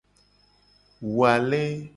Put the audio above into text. Wu ale.